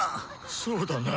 そうだな。